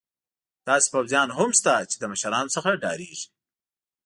داسې پوځیان هم شته چې له مشرانو څخه ډارېږي.